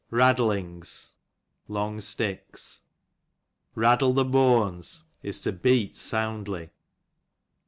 Raddjings, long sticks. Raddle the booans, is to beat soundly.